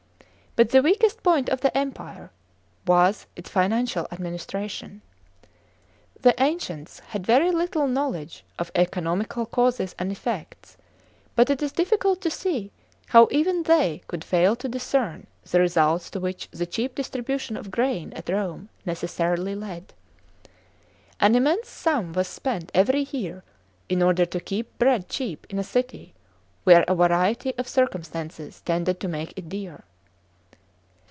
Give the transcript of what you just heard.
But the weakast point of the Empire was its (8) financial administration. The ancients had very little knowledge of economical causes and enects ; but it is difficult to see how even' they could fail to discern the results to which the cheap distribution of gram at Rome necessarily led. An immense sum was si ent every year in order " to keep bread cheap in a city where a variety of circumstances tended to make it dear.